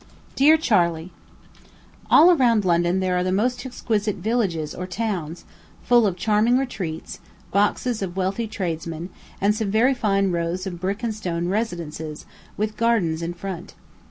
DEAR CHARLEY: All round London there are the most exquisite villages or towns, full of charming retreats, boxes of wealthy tradesmen, and some very fine rows of brick and stone residences, with gardens in front.